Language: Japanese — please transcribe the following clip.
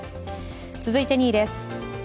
続いて２位です。